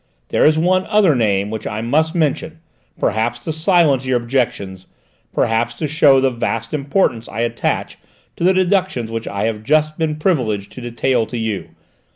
There is one other name which I must mention, perhaps to silence your objections, perhaps to show the vast importance I attach to the deductions which I have just been privileged to detail to you.